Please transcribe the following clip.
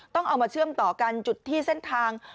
ต้องเอามาเชื่อมต่อกันจุดที่เส้นทาง